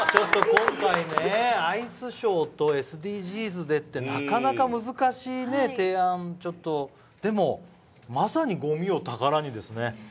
今回、アイスショーとＳＤＧｓでって、なかなか難しい提案でしたが、でもまさに「ごみを宝に」ですね。